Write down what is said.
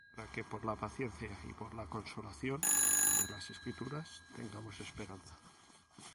para que por la paciencia, y por la consolación de las Escrituras, tengamos esperanza.